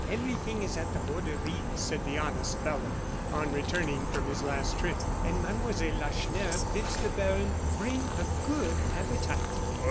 "Everything is at the Borderie," said the honest fellow, on returning from his last trip, "and Mademoiselle Lacheneur bids the baron bring a good appetite."